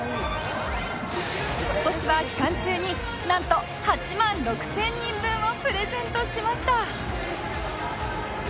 今年は期間中になんと８万６０００人分をプレゼントしました！